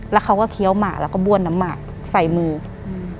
แล้วเขาก็เคี้ยวหมากแล้วก็บ้วนน้ำหมากใส่มืออืม